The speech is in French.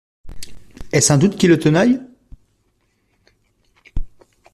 Est-ce un doute qui le tenaille?